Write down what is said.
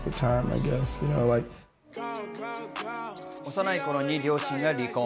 幼い頃に両親が離婚。